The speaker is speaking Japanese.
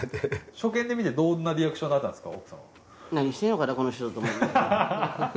初見で見てどんなリアクションだったんですか？